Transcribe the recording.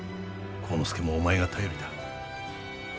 晃之助もお前が頼りだ。